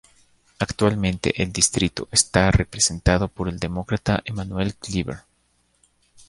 Actualmente el distrito está representado por el Demócrata Emanuel Cleaver.